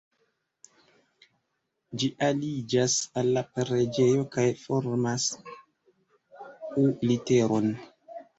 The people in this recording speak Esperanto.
Ĝi aliĝas al la preĝejo kaj formas U-literon.